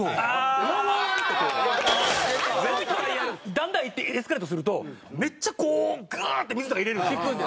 だんだんいってエスカレートするとめっちゃこうグッて水の中入れるんですよ。